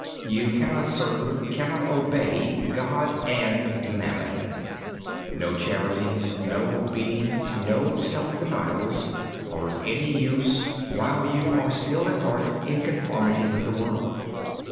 You cannot serve, cannot obey, God and mammon. No charities, no obedience, no self denials, are of any use while you are still at heart in conformity with the world.